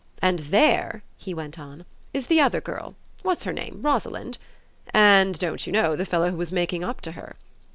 And there," he went on, "is the other girl what's her name, Rosalind? and (don't you know?) the fellow who was making up to her.